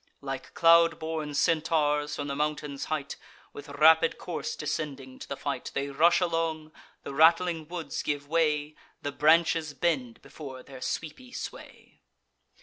Like cloud born Centaurs, from the mountain's height With rapid course descending to the fight; They rush along; the rattling woods give way; The branches bend before their sweepy sway.